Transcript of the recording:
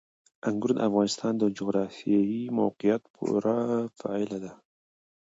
انګور د افغانستان د جغرافیایي موقیعت پوره پایله ده.